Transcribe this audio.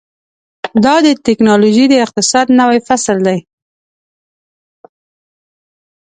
دا د ټیکنالوژۍ د اقتصاد نوی فصل دی.